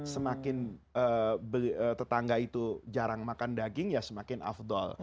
semakin tetangga itu jarang makan daging ya semakin afdol